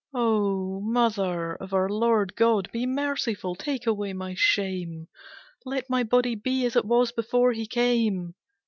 Oh, Mother of our Lord God, be merciful, take away my shame! Let my body be as it was before he came.